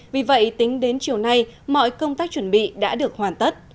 vì vậy tính đến chiều nay mọi công tác chuẩn bị đã được hoàn tất